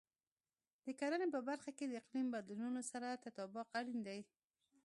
د کرنې په برخه کې د اقلیم بدلونونو سره تطابق اړین دی.